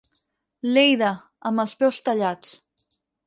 L'Èider, amb els peus tallats.